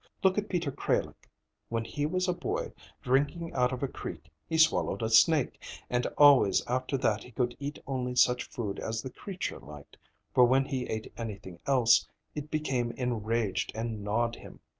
Look at Peter Kralik; when he was a boy, drinking out of a creek, he swallowed a snake, and always after that he could eat only such food as the creature liked, for when he ate anything else, it became enraged and gnawed him.